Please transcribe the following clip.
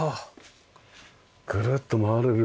ぐるっと回れる。